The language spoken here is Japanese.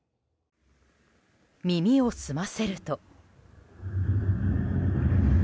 耳を澄ませると。